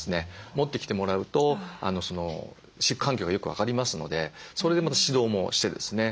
持ってきてもらうと飼育環境がよく分かりますのでそれでまた指導もしてですね